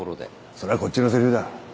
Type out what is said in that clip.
それはこっちのせりふだ。